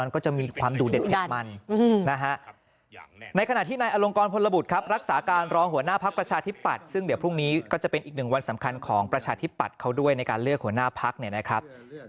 ขอให้กำลังใจล้านเปอร์เซ็นต์ครับ